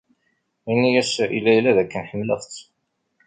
Ini-as i Layla dakken ḥemmleɣ-tt.